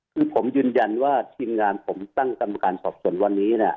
คือผมยืนยันว่าทีมงานผมตั้งกรรมการสอบส่วนวันนี้